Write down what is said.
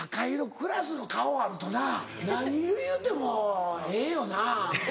クラスの顔あるとな何を言うてもええよな。